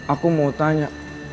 aku mau tanya